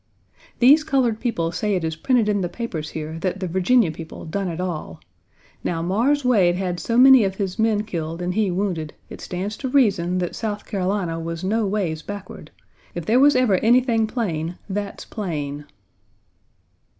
"These colored people say it is printed in the papers here that the Virginia people done it all. Now Mars Wade had so many of his men killed and he wounded, it stands to reason that South Carolina was no ways backward. If there was ever anything plain, that's plain."